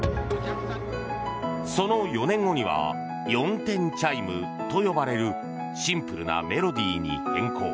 その４年後には４点チャイムと呼ばれるシンプルなメロディーに変更。